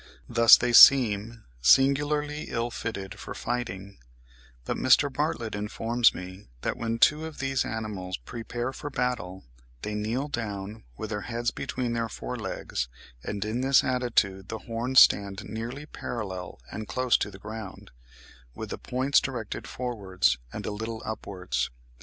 Thus they seem singularly ill fitted for fighting; but Mr. Bartlett informs me that when two of these animals prepare for battle, they kneel down, with their heads between their fore legs, and in this attitude the horns stand nearly parallel and close to the ground, with the points directed forwards and a little upwards.